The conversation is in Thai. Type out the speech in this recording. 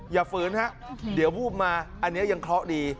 ฝืนฮะเดี๋ยววูบมาอันนี้ยังเคราะห์ดี